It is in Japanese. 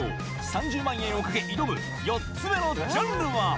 ３０万円を懸け挑む４つ目のジャンルは